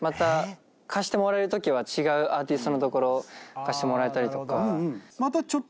貸してもらえる時は違うアーティストの所を貸してもらえたりとか。